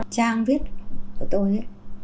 trang viết của tôi ấy